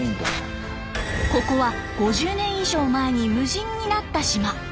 ここは５０年以上前に無人になった島。